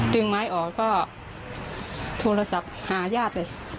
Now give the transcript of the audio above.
ดึงไม้ออกก็โทรศัพท์หาญาติเลย